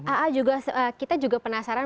aa juga kita juga penasaran